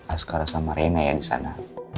askara sama rena ya disana